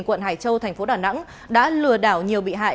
quận hải châu tp đà nẵng đã lừa đảo nhiều bị hại